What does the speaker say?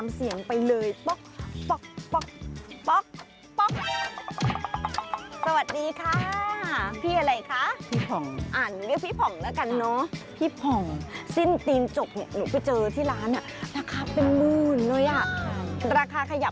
มีน้ำสี่หมื่นนะมีน้ำสี่หมื่นนะ